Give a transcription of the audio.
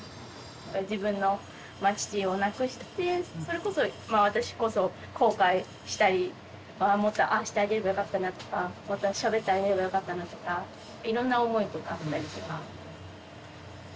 自分の父を亡くしてそれこそ私こそ後悔したりああもっとああしてあげればよかったなとかしゃべってあげればよかったなとかいろんな思いとかあったりとか。